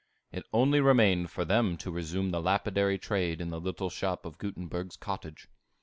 It only remained for them to resume the lapidary trade in the little shop of Gutenberg's cottage.